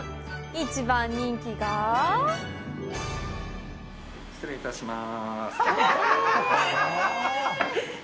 一番人気が失礼致します